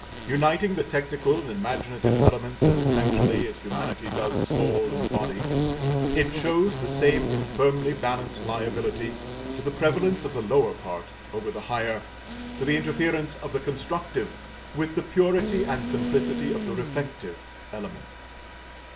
Uniting the technical and imaginative elements as essentially as humanity does soul and body, it shows the same infirmly balanced liability to the prevalence of the lower part over the higher, to the interference of the constructive, with the purity and simplicity of the reflective, element.